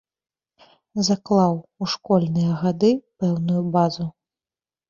Заклаў у школьныя гады пэўную базу.